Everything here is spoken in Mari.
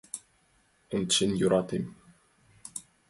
Ончен йӧратем.